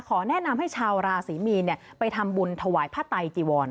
แนะนำให้ชาวราศรีมีนไปทำบุญถวายพระไตจีวร